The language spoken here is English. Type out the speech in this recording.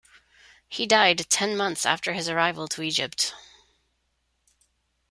He died ten months after his arrival to Egypt.